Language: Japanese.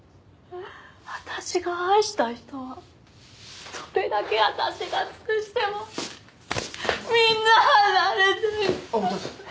私が愛した人はどれだけ私が尽くしてもみんな離れていった。